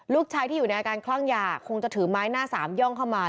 ลูกชายที่อยู่ในอาการคลั่งยาคงจะถือไม้หน้าสามย่องเข้ามา